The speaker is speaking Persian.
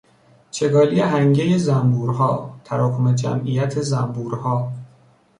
چگالی هنگهی زنبورها، تراکم جمعیت زنبورها